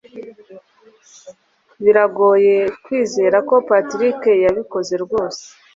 Biragoye kwizera ko Patrick yabikoze rwose.